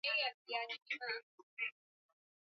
Wachini ni wengi sana